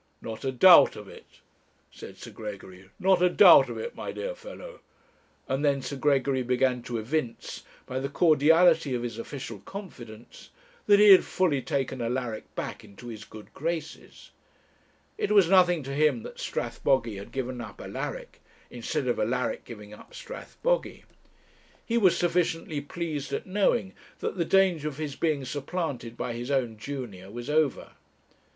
'Not a doubt of it,' said Sir Gregory 'not a doubt of it, my dear fellow;' and then Sir Gregory began to evince, by the cordiality of his official confidence, that he had fully taken Alaric back into his good graces. It was nothing to him that Strathbogy had given up Alaric instead of Alaric giving up Strathbogy. He was sufficiently pleased at knowing that the danger of his being supplanted by his own junior was over.